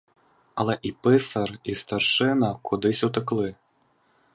Але і писар, і старшина кудись утекли.